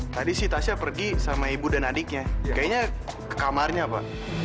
tadi si tasha pergi sama ibu dan adiknya kayaknya ke kamarnya apa